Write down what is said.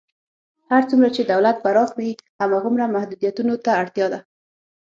هر څومره چې دولت پراخ وي، هماغومره محدودیتونو ته اړتیا ده.